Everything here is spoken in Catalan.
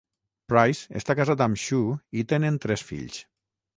Price està casat amb Sue i tenen tres fills.